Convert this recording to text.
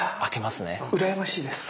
いや羨ましいです。